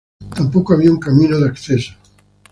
Tampoco había un camino de acceso.